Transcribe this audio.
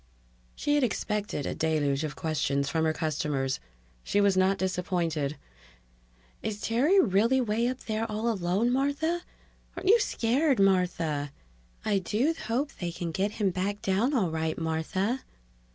She had expected a deluge of questions from her customers. She was not disappointed. "Is Terry really way up there all alone, Martha?" "Aren't you scared, Martha?" "I do hope they can get him back down all right, Martha."